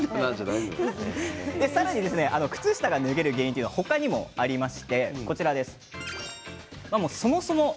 さらに靴下が脱げる原因は他にもあります。